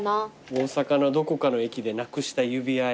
「大阪のどこかの駅でなくした指輪へ」